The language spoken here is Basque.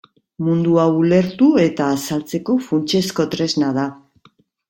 Mundua ulertu eta azaltzeko funtsezko tresna da.